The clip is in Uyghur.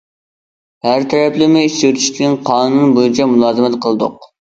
ھەر تەرەپلىمە ئېچىۋېتىشكە قانۇن بويىچە مۇلازىمەت قىلدۇق.